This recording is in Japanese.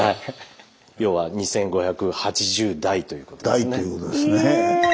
要は２，５８０代ということですね。